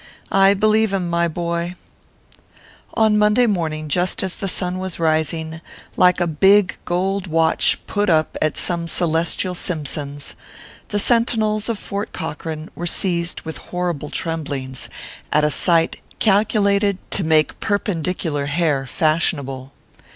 I believe him, my boy ! On Monday morning, just as the sun was rising, like a big gold watch " put up" at some celestial Simp son s, the sentinels of Fort Corcoran were seized with horrible tremblings at a sight calculated to make per 240 ORPHEUS C. KERR PAPERS. pendicular hair fashionable.